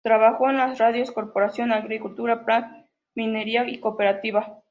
Trabajó en las radios Corporación, Agricultura, Prat, Minería y Cooperativa.